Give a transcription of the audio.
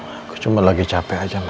aku cuma lagi capek aja